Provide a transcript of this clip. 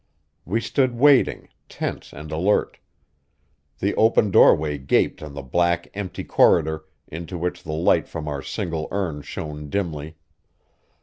We stood waiting, tense and alert. The open doorway gaped on the black, empty corridor, into which the light from our single urn shone dimly.